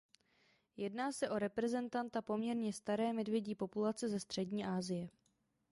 Jedná se o reprezentanta poměrně staré medvědí populace ze střední Asie.